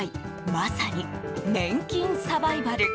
まさに、年金サバイバル。